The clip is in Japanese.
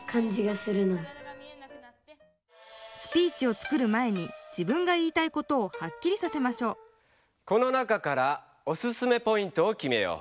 スピーチを作る前に自分が言いたいことをはっきりさせましょうこの中からオススメポイントをきめよう。